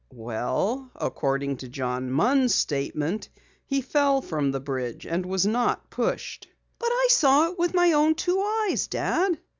"Well, according to John Munn's statement, he fell from the bridge and was not pushed." "But I saw it with my own two eyes, Dad."